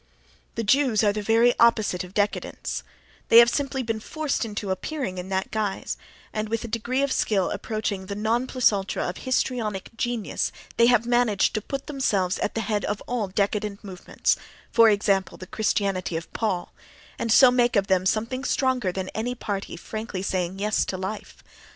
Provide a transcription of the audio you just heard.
The Jews are the very opposite of décadents: they have simply been forced into appearing in that guise, and with a degree of skill approaching the non plus ultra of histrionic genius they have managed to put themselves at the head of all décadent movements (—for example, the Christianity of Paul—), and so make of them something stronger than any party frankly saying Yes to life.